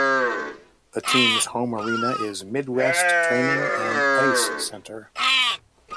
The team's home arena is Midwest Training and Ice Center.